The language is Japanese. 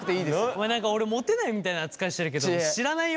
ごめん何か俺モテないみたいな扱いしてるけど知らないよ？